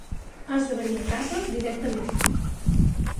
Has de venir a casa directament.